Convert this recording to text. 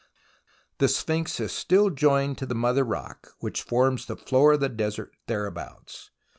The Sphinx is still joined to the mother rock which forms the floor of the desert hereabouts.